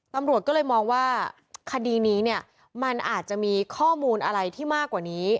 ตำรวจก็เลยมองว่าคดีนี้เนี่ยมันอาจจะมีข้อมูลอะไรที่มากกว่านี้